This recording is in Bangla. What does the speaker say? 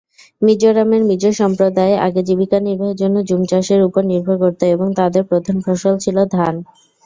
মিজোরামের মিজো সম্প্রদায় আগে জীবিকা নির্বাহের জন্য জুম চাষের উপর নির্ভর করত এবং তাদের প্রধান ফসল ছিল ধান।